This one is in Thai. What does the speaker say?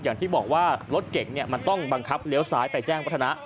อย่างที่บอกว่ารถเก่งมันต้องบังคับเลี้ยวซ้ายไปแจ้งวัฒนะ